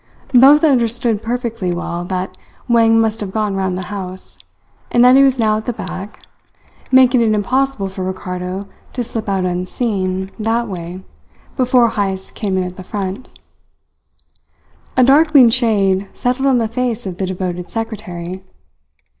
Both understood perfectly well that Wang must have gone round the house, and that he was now at the back, making it impossible for Ricardo to slip out unseen that way before Heyst came in at the front. A darkling shade settled on the face of the devoted secretary.